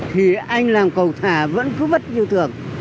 thì anh làm cầu thả vẫn cứ vất như thường